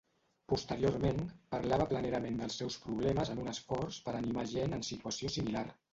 Posteriorment, parlava planerament dels seus problemes en un esforç per animar gent en situació similar.